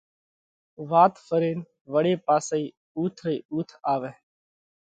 وات ڦرينَ وۯي پاسئي اُوٿ رئِي اُوٿ آوئه۔